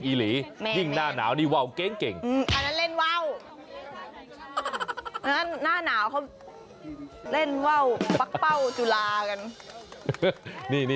อันนั้นเล่นว่าวอันนั้นน่าหนาวเขาเล่นว่าวปั๊กเป้าจุลากัน